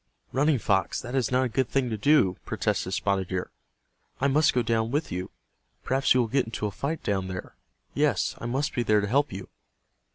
"Running Fox, that is not a good thing to do," protested Spotted Deer. "I must go with you. Perhaps you will get into a fight down there. Yes, I must be there to help you."